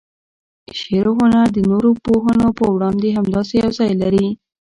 شعر و هنر د نورو پوهنو په وړاندې همداسې یو ځای لري.